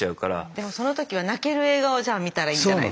でもその時は泣ける映画をじゃあ見たらいいんじゃないですか？